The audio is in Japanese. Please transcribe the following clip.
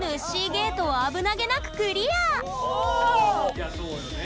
いやそうよね。